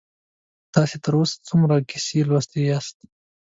تاسې تر اوسه څومره کیسې لوستي یاست؟